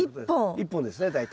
１本ですね大体。